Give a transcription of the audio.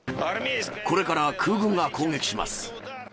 これから空軍が攻撃します。